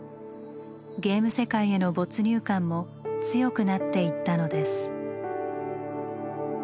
ゲーム世界への没入感も強くなっていったのです。